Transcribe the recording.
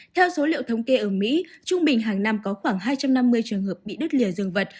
theo số liệu thống kê ở mỹ trung bình hàng năm có khoảng hai trăm năm mươi trường hợp bị đất lìa rừng vật